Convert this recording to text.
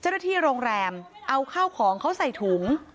เจ้าหน้าที่โรงแรมเอาข้าวของเขาใส่ถุง